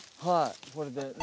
はいこれで。